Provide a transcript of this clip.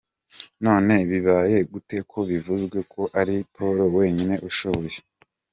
None bibaye gute ko bivuzwe ko ari Paul wenyine ushoboye!!??